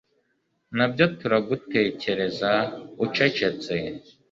nabyo turagutekereza ucecetse